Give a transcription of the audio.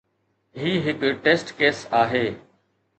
هي هڪ test case آهي.